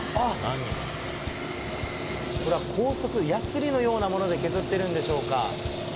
これは高速でやすりのようなもので削っているんでしょうか。